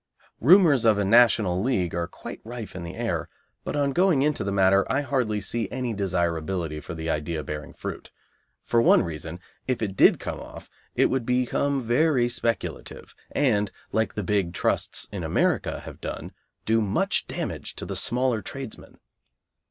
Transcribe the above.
Rumours of a National League are quite rife in the air, but on going into the matter, I hardly see any desirability for the idea bearing fruit. For one reason, if it did come off it would become very speculative, and, like the big trusts in America have done, do much damage to the smaller tradesmen.